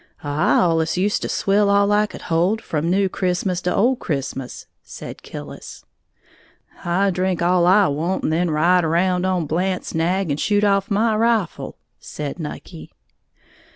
"I allus used to swill all I could hold, from New Christmas to Old Christmas," said Killis. "I drink all I want and then ride around on Blant's nag and shoot off my rifle," said Nucky.